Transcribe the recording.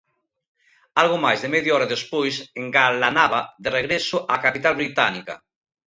Algo máis de media hora despois engalanaba de regreso a capital británica.